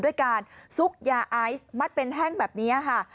ด้วยการซุกยาไอซ์มัดเป็นแท่งแบบนี้ค่ะ